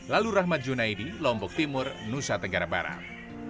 lalu rahmat junaidi lombok timur nusa tenggara barat